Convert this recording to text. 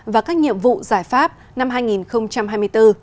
và các nhiệm vụ giải pháp năm hai nghìn hai mươi bốn